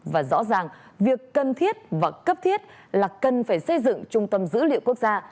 và rõ ràng việc cần thiết và cấp thiết là cần phải xây dựng trung tâm dữ liệu quốc gia